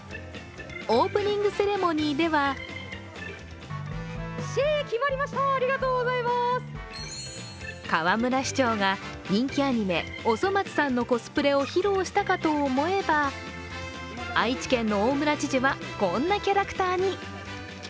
オープニングセレモニーでは河村市長が人気アニメ「おそ松さん」のコスプレを披露したかと思えば愛知県の大村知事はこんなキャラクターに。